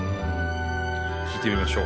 聴いてみましょう。